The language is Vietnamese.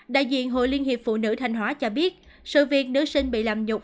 đại diện hội liên hiệp phụ nữ thanh hóa cho biết sự việc nữ sinh bị làm nhục